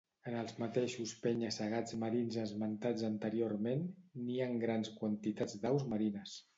En els mateixos penya-segats marins esmentats anteriorment nien grans quantitats d'aus marines.